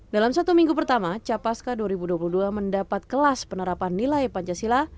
dalam satu minggu pertama capaska dua ribu dua puluh dua mendapat kelas penerapan nilai pancasila